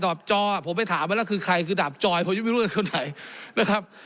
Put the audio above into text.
จอผมไปถามไว้แล้วคือใครคือดาบจอยผมยังไม่รู้ว่าคนไหนนะครับ